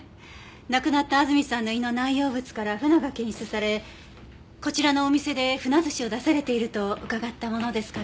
亡くなった安住さんの胃の内容物から鮒が検出されこちらのお店で鮒寿司を出されていると伺ったものですから。